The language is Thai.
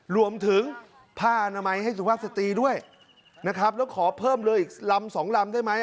รวมถึงผ้าอนามัยให้สุภาพสตรีด้วยนะครับแล้วขอเพิ่มเลยอีกลำสองลำได้ไหม